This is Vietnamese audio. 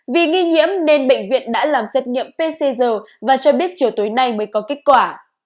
vì nghi nhiễm nên bệnh viện đã làm xét nghiệm pcr và cho biết chiều tối nay mới có kết quả